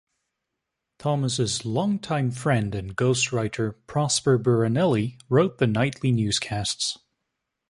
Thomas' long-time friend and ghostwriter Prosper Buranelli wrote the nightly newscasts.